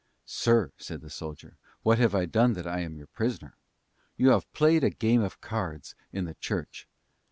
"Sir," said the soldier, "What have I done that I am your prisoner?" "You have played a game of cards in the church."